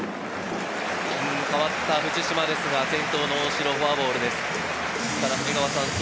代わった藤嶋ですが、先頭の大城にフォアボールです。